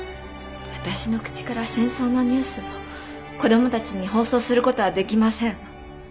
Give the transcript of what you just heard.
私の口から戦争のニュースを子どもたちに放送する事はできません。